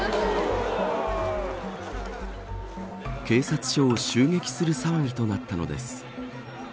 警察署を襲撃する騒ぎとなったのです。